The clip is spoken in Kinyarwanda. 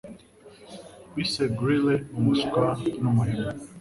Bise Greeley umuswa numuhemu.